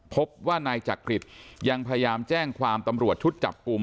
พบว่านายจักริตยังพยายามแจ้งความตำรวจชุดจับกลุ่ม